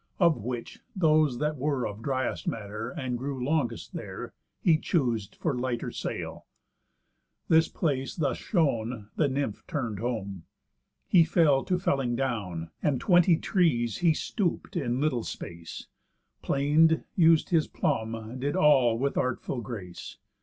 Of which, those that were Of driest matter, and grew longest there, He choos'd for lighter sail. This place thus shown, The Nymph turn'd home. He fell to felling down, And twenty trees he stoop'd in little space, Plain'd, used his plumb, did all with artful grace.